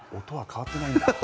音は変わってないんだ。